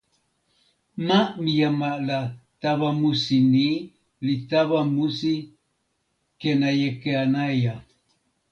ma Mijama la tawa musi ni li tawa musi Kenajekenaja.